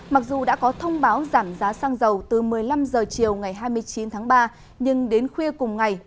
mặc dù đã có thông báo giảm giá xăng dầu từ một mươi năm h chiều ngày hai mươi chín tháng ba